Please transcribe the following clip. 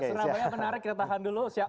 surabaya menarik kita tahan dulu